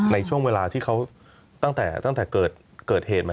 ในช่วงเวลาที่เขาตั้งแต่เกิดเหตุมา